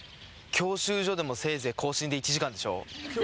教習所でもせいぜい更新で１時間でしょ？